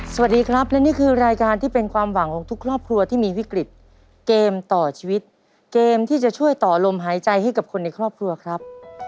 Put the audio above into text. สวัสดีครับและนี่คือรายการที่เป็นความหวังของทุกครอบครัวที่มีวิกฤตเกมต่อชีวิตเกมที่จะช่วยต่อลมหายใจให้กับคนในครอบครัวครับ